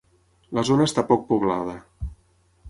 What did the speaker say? La zona està poc poblada.